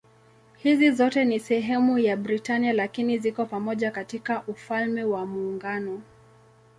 Hizi zote si sehemu ya Britania lakini ziko pamoja katika Ufalme wa Muungano.